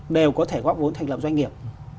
đều có thể góp vốn thành lập doanh nghiệp